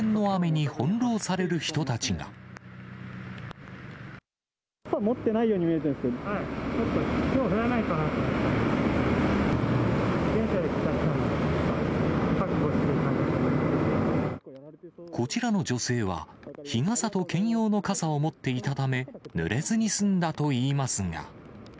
自転車で帰宅なので、覚悟しないこちらの女性は、日傘と兼用の傘を持っていたため、ぬれずに済んだといいますが。